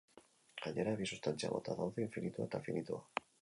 Gainera, bi substantzia mota daude: infinitua eta finitua.